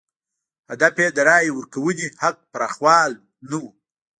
هدف یې د رایې ورکونې حق پراخوال نه و.